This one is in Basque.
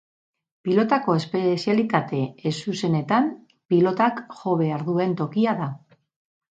Pilotako espezialitate ez zuzenetan, pilotak jo behar duen tokia da.